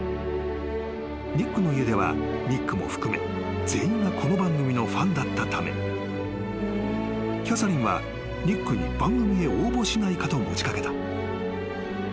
［ニックの家ではニックも含め全員がこの番組のファンだったためキャサリンはニックに番組へ応募しないかと持ち掛けた］